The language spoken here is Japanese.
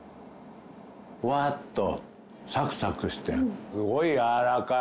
ふわっとサクサクしてすごいやわらかい。